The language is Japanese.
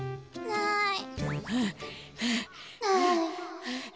ない。